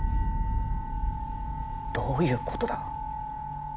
どういうことだ？